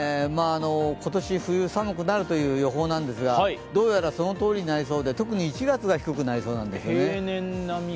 今年冬、寒くなるという予報なんですがどうやらそのとおりになりそうで、特に１月が低くなりそうなんですね。